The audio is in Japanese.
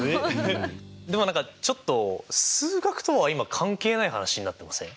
でも何かちょっと数学とは今関係ない話になってません？